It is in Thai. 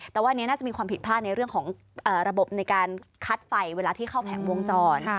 แต่ว่าอันนี้น่าจะมีความผิดพลาดในเรื่องของระบบในการคัดไฟเวลาที่เข้าแผงวงจร